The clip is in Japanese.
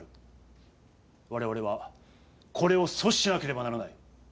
我々はこれを阻止しなければならない。